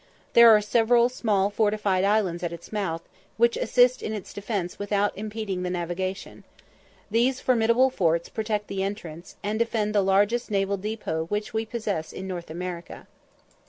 There are several small fortified islands at its mouth, which assist in its defence without impeding the navigation. These formidable forts protect the entrance, and defend the largest naval depot which we possess in North America.